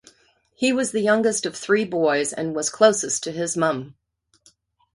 He was the youngest of three boys and was closest to his mum.